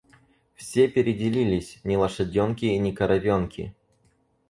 Все переделились, ни лошаденки, ни коровенки.